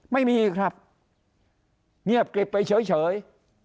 ไม่มีครับเงียบกริบไปเฉย